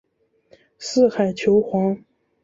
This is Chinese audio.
四海求凰。